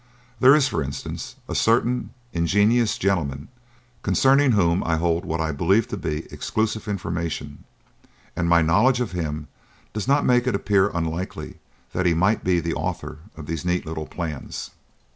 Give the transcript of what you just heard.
There is, for instance, a certain ingenious gentleman concerning whom I hold what I believe to be exclusive information, and my knowledge of him does not make it appear unlikely that he might be the author of these neat little plans."